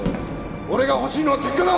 俺が欲しいのは結果だ！